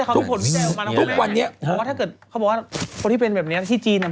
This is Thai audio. แต่บางคนเนี่ยทำไม่เสียชีวิตได้